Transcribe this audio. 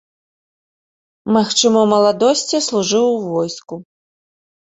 Магчыма, у маладосці служыў у войску.